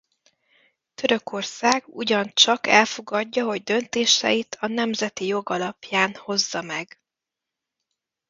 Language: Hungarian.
Törökország ugyancsak elfogadja hogy döntéseit a nemzetközi jog alapján hozza meg.